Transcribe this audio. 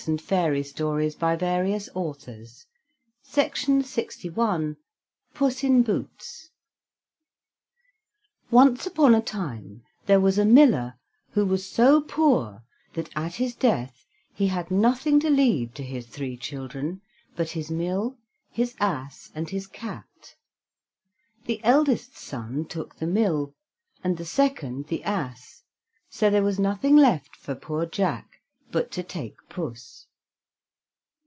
And after that Grethel became Hans's wife. PUSS IN BOOTS Once upon a time there was a miller, who was so poor that at his death he had nothing to leave to his three children but his mill, his ass, and his cat. The eldest son took the mill, and the second the ass, so there was nothing left for poor Jack but to take Puss.